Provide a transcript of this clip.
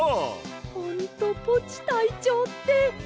ほんとポチたいちょうって。